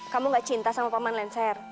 kamu gak cinta sama paman lencer